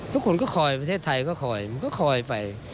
ทุกคนก็คอยประเทศไทยก็คอยมันก็คอยไป